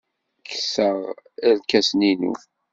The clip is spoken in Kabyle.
Kkseɣ irkasen-inu.